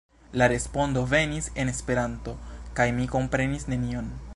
La respondo venis en Esperanto kaj mi komprenis nenion.